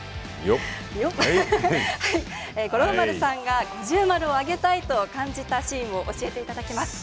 五郎丸さんが五重丸をあげたいと感じたシーンを教えていただきます。